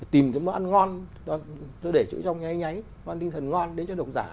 tìm cái món ăn ngon để chữ trong nháy nháy ăn tinh thần ngon đến cho độc giả